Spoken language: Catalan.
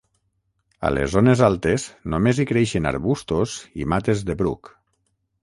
A les zones altes, només hi creixen arbustos i mates de bruc